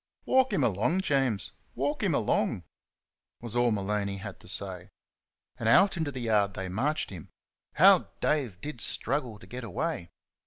"Walk 'm along, Jaimes walk 'm along," was all Maloney had to say. And out into the yard they marched him. How Dave did struggle to get away!